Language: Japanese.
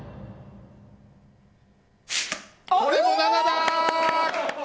これも７だ！